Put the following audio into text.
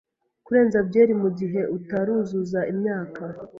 Kurenza byeri mugihe utaruzuza imyaka